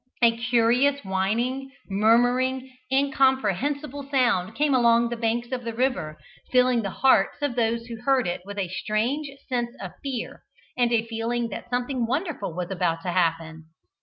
A curious whining, murmuring, incomprehensible sound came along the banks of the river, filling the hearts of those who heard it with a strange sense of fear, and a feeling that something wonderful was about to happen.